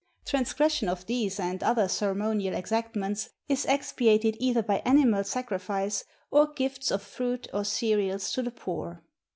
Transgression of these and other ceremonial exactments is expiated either by animal sac rifice, or gifts of fruit or cereals to the poor.